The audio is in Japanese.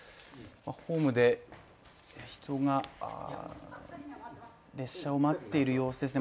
ホームで人が列車を待っている様子ですね